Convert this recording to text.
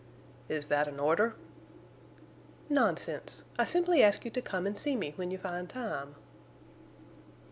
"Is that an order?" "Nonsense! I simply ask you to come to see me when you find time."